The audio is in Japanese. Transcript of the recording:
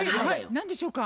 何でしょうか？